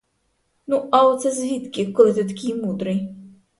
Ну а оце звідки, коли ти такий мудрий?